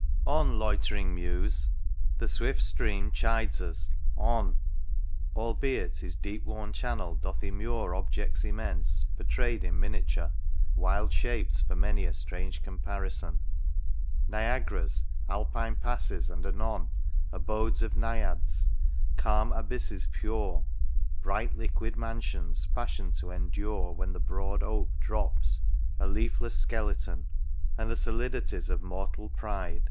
On, loitering Muse !— The swift Stream chides us — on Albeit his deep worn channel doth immure Objects immense, pourtray'd in miniature, Wild shapes for many a strange comparison ! Niagaras, Alpine passes, and anon Abodes of Naiads, calm abysses pure, Bright liquid mansions, fashion'd to endure When the broad Oak drops, a leafless skeleton. And the solidities of mortal pride.